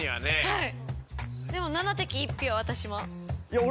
はい。